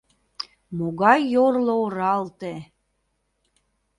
Могай йорло оралте!..